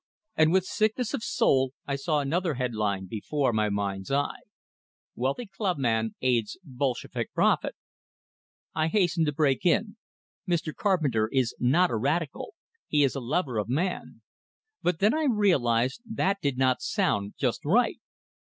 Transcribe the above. And with sickness of soul I saw another headline before my mind's eye: WEALTHY CLUBMAN AIDS BOLSHEVIK PROPHET I hastened to break in: "Mr. Carpenter is not a radical; he is a lover of man." But then I realized, that did not sound just right.